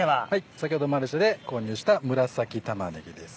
先ほどマルシェで購入した紫玉ねぎです。